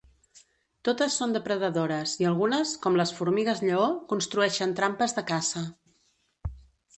Totes són depredadores i algunes, com les formigues lleó, construeixen trampes de caça.